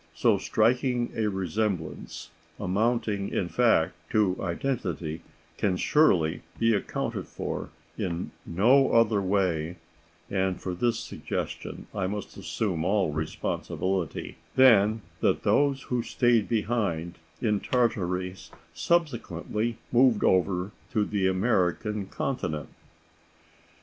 So striking a resemblance, amounting in fact to identity, can surely be accounted for in no other way (and for this suggestion I must assume all responsibility) than that those who stayed behind in Tartary subsequently moved over to the American continent.